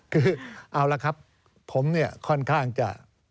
คือเอาละครับผมเนี่ยค่อนข้างจะ